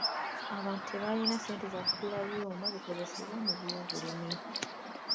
Abantu tebalina ssente za kugula byuma bikozesebwa mu byobulimi.